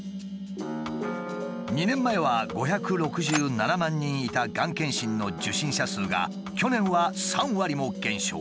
２年前は５６７万人いたがん検診の受診者数が去年は３割も減少。